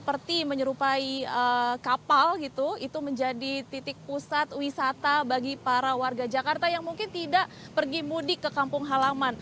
seperti menyerupai kapal gitu itu menjadi titik pusat wisata bagi para warga jakarta yang mungkin tidak pergi mudik ke kampung halaman